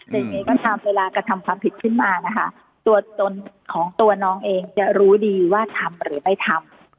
อย่างนี้ก็ตามเวลากระทำความผิดขึ้นมานะคะตัวตนของตัวน้องเองจะรู้ดีว่าทำหรือไม่ทำ